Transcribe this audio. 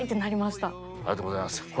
ありがとうございます。